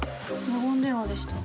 無言電話でした。